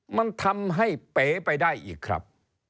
มันทำให้เป๋ไปได้อีกครับ